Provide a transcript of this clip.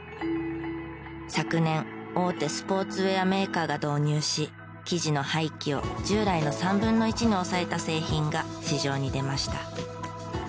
昨年大手スポーツウェアメーカーが導入し生地の廃棄を従来の３分の１に抑えた製品が市場に出ました。